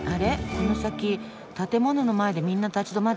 この先建物の前でみんな立ち止まってる。